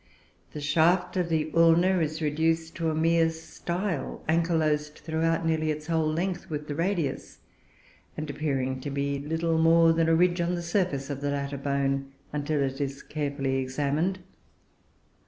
The shaft of the ulna is reduced to a mere style, ankylosed throughout nearly its whole length with the radius, and appearing to be little more than a ridge on the surface of the latter bone until it is carefully examined.